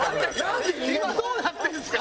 今どうなってるんですか？